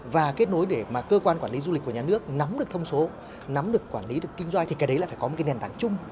và kết nối để mà cơ quan quản lý du lịch của nhà nước nắm được thông số nắm được quản lý được kinh doanh thì cái đấy lại phải có một cái nền tảng chung